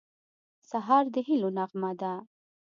سهار د هیلو نغمه ده.